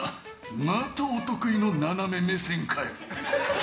またお得意の斜め目線か！